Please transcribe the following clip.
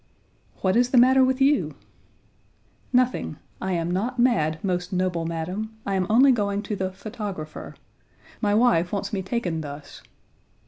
"What is the matter with you?" "Nothing, I am not mad, most noble madam. I am only going to the photographer. My wife wants me taken thus."